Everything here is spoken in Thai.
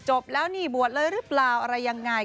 จบแล้วนี่บวชเลยหรือเปล่าอะไรยังไง